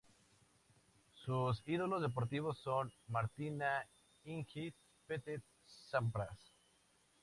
Sus ídolos deportivos son Martina Hingis y Pete Sampras.